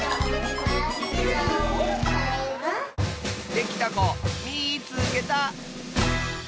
できたこみいつけた！